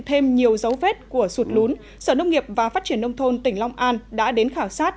thêm nhiều dấu vết của sụt lún sở nông nghiệp và phát triển nông thôn tỉnh long an đã đến khảo sát